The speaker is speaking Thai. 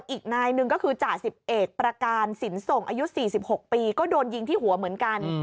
อีกนายหนึ่งก็คือจ่าสิบเอกประการสินส่งอายุ๔๖ปีก็โดนยิงที่หัวเหมือนกัน